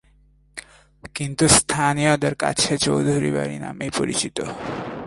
কিন্তু স্থানীয়দের কাছে চৌধুরী বাড়ি নামেই পরিচিত।